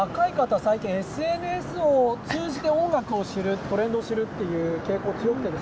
最近、ＳＮＳを通じて音楽を知るトレンドを知るという傾向が強くなっています。